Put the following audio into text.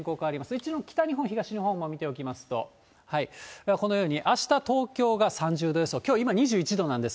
一応北日本、東日本も見ておきますと、このようにあした東京が３０度予想、きょう今２１度なんです